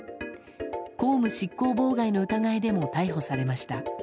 公務執行妨害の疑いでも逮捕されました。